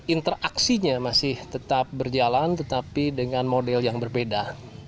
interaksinya masih tetap berjalan tetapi dengan model yang berbeda